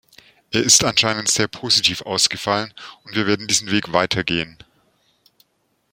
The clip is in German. Er ist anscheinend sehr positiv ausgefallen, und wir werden diesen Weg weitergehen.